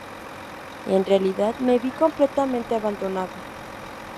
En realidad, me vi completamente abandonado.